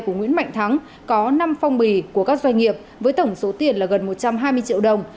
của nguyễn mạnh thắng có năm phong bì của các doanh nghiệp với tổng số tiền là gần một trăm hai mươi triệu đồng